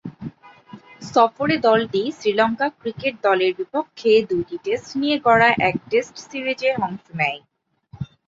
সফরে দলটি শ্রীলঙ্কা ক্রিকেট দলের বিপক্ষে দুইটি টেস্ট নিয়ে গড়া এক টেস্ট সিরিজে অংশ নেয়।